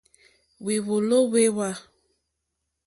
Hwèwòló hwé hwa.